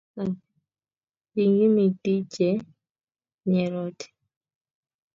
Igimityi che nyeroti